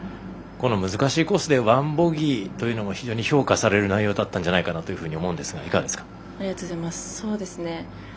この難しいコースで１ボギーというのも非常に評価される内容だったんじゃないかなとありがとうございます。